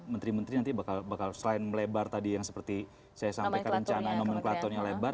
menteri menteri nanti bakal selain melebar tadi yang seperti saya sampaikan rencana nomenklaturnya lebar